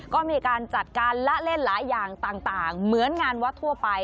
ก็มีการจัดการละเล่นหลายอย่างต่างเหมือนงานวัดทั่วไป